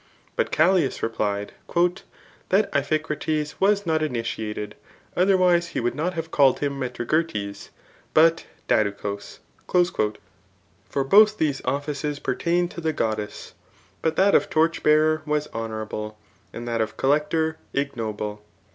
But Callias repKed ^^ Tbat Iphkrate^ was tiot initiated, othap ^ise he would not have called him MetTagurtes, but ^DddouchdS.*^ For both these offices pertained to the T^oddees, hut ths^ of torch bearer was honourable, and that of collector ignoble.